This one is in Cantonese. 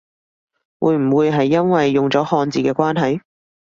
會唔會係因為用咗漢字嘅關係？